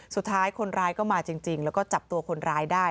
สุดท้ายคนร้ายก็มาจริงแล้วก็จับตัวคนร้ายได้